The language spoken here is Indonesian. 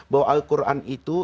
bahwa al quran itu